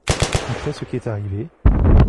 Après ce qui est arrivé …